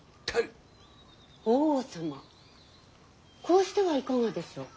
こうしてはいかがでしょう。